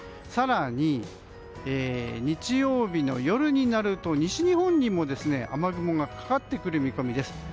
更に日曜日の夜になると西日本にも雨雲がかかってくる見込みです。